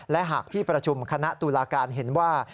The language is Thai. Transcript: และหากที่ประชุมคณะตุลาการเห็นว่า